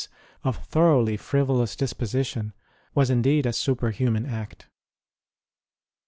ROSE OF LIMA thoroughly frivolous disposition, was indeed a superhuman act.